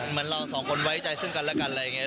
เหมือนเราสองคนไว้ใจซึ่งกันและกันอะไรอย่างนี้